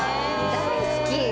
大好き。